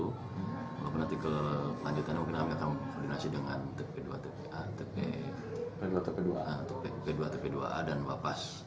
walaupun nanti kelanjutannya kami akan koordinasi dengan tp dua tp dua a dan wapas